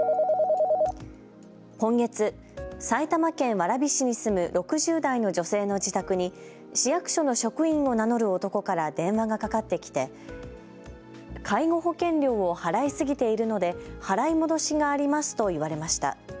今月、埼玉県蕨市に住む６０代の女性の自宅に市役所の職員を名乗る男から電話がかかってきて介護保険料を払い過ぎているので払い戻しがありますと言われました。